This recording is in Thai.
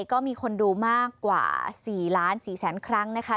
ก็มีคนดูมากกว่า๔ล้าน๔แสนครั้งนะคะ